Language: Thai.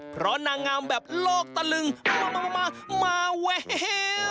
เพราะนางงามแบบโลกตะลึงมามาแวว